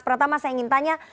pertama saya ingin tanya